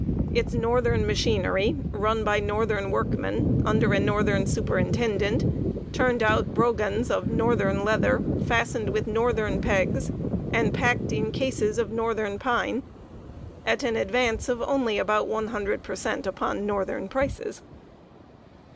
Its northern machinery, run by northern workmen, under a northern superintendent, turned out brogans of northern leather, fastened with northern pegs, and packed in cases of northern pine, at an advance of only about one hundred per cent. upon northern prices!